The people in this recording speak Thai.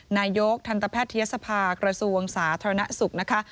นายกทันตะแพทย์ธิยศภาคกระสูงสาธารณสุขนะคะ